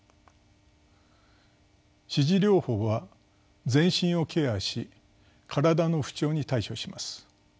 支持療法は全身をケアし身体の不調に対処します。